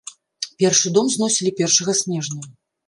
Першы дом зносілі першага снежня.